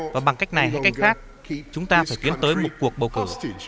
và bằng cách này hay cách khác chúng ta phải tiến tới một cuộc bầu cử